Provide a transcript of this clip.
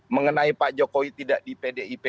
mengenai pak jokowi tidak di pdip